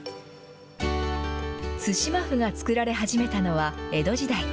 津島麩が作られ始めたのは江戸時代。